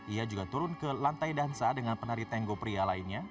ia juga turun ke lantai dansa dengan penari tenggo pria lainnya